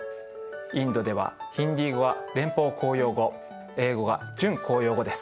インドではヒンディー語が連邦公用語英語が準公用語です。